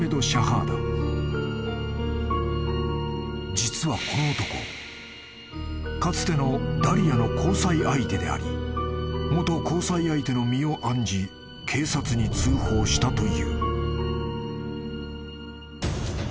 ［実はこの男かつてのダリアの交際相手であり元交際相手の身を案じ警察に通報したという］